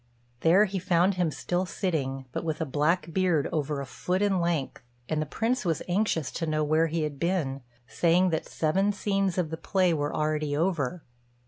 There he found him still sitting, but with a black beard over a foot in length; and the Prince was anxious to know where he had been, saying that seven scenes of the play were already over.